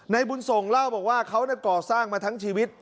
บุญส่งเล่าบอกว่าเขาก่อสร้างมาทั้งชีวิต